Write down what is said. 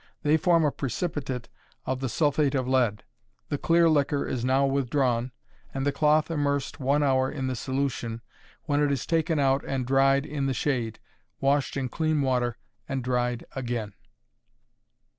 They form a precipitate of the sulphate of lead. The clear liquor is now withdrawn, and the cloth immersed one hour in the solution, when it is taken out and dried in the shade, washed in clean water and dried again.